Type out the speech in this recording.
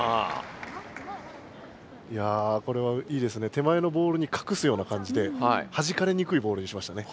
手前のボールにかくすような感じではじかれにくいボールにしましたね。